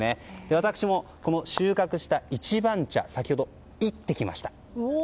私も、この収穫した一番茶先ほど、煎ってきました。